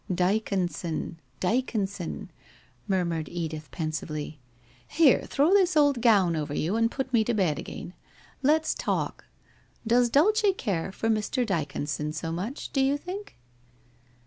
' Dyconson — Dyconson ...' murmured Edith pen sively. ' Here, throw this old gown over you and put me to bed again. Let's talk. Does Dulce care for Mr. Dyconson so much, do you think